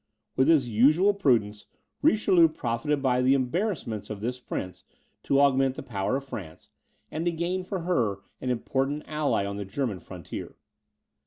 With his usual prudence, Richelieu profited by the embarrassments of this prince to augment the power of France, and to gain for her an important ally on the German frontier.